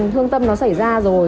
thương tâm nó xảy ra rồi